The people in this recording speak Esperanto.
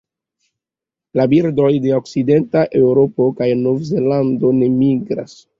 La birdoj de okcidenta Eŭropo kaj Novzelando ne migras.